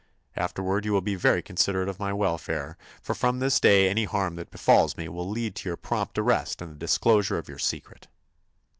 Afterward you will be very considerate of my welfare, for from this day any harm that befalls me will lead to your prompt arrest and the disclosure of your secret."